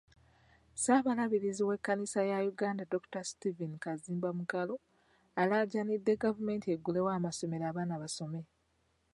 Ssaabalabirizi w’ekkanisa ya Uganda Dr.Steven Kazimba Mugalu, alaajanidde gavumenti eggulewo amasomero abaana basome.